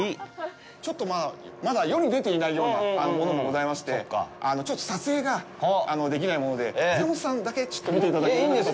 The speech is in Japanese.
ちょっとまだ世に出ていなようなものもございましてちょっと撮影ができないもので塚本さんだけちょっと見ていただくような形で。